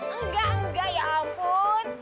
enggak enggak ya ampun